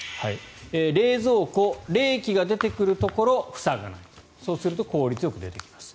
冷蔵庫冷気が出てくるところを塞がないそうすると効率よく出てきます。